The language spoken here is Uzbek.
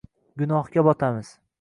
gunohga botamiz.